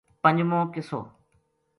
پنجمو قصو